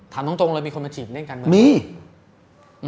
ถามตรงมีคนมาจิดเล่นการเมือง